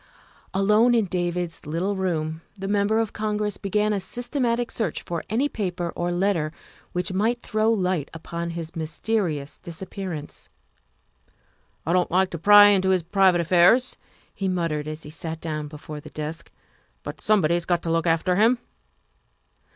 Alone in David's little room the Member of Congress began a systematic search for any paper or letter which might throw light upon his mysterious disappearance. " I don't like to pry into his private affairs," he muttered as he sat down before the desk, " but some body's got to look after him."